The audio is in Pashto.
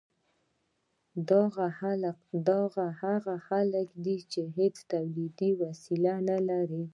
دا هغه خلک دي چې هیڅ تولیدي وسیله نلري.